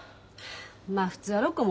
まあ普通はロッコー